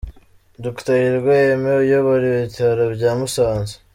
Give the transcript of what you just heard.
Dr Hirwa Aimé Uyobora ibitaro bya Musanze